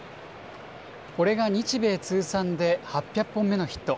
これが日米通算で８００本目のヒット。